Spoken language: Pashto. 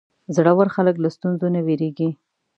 زړور خلک له ستونزو نه وېرېږي.